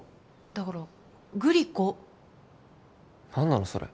だからグリコ何なのそれ？